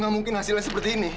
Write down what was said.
nggak mungkin hasilnya seperti ini